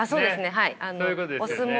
はい。